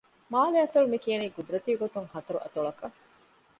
މާލެއަތޮޅު މި ކިޔަނީ ޤުދުރަތީ ގޮތުން ހަތަރު އަތޮޅަކަށް